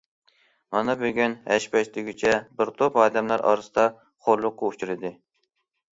مانا بۈگۈن ھەش- پەش دېگۈچە بىر توپ ئادەملەر ئارىسىدا خورلۇققا ئۇچرىدى.